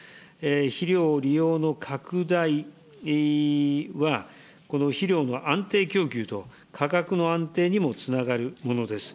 肥料利用の拡大は、この肥料の安定供給と価格の安定にもつながるものです。